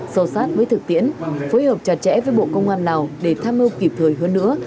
sâu sát với thực tiễn phối hợp chặt chẽ với bộ công an lào để tham mưu kịp thời hơn nữa